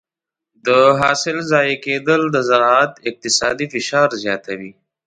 د حاصل ضایع کېدل د زراعت اقتصادي فشار زیاتوي.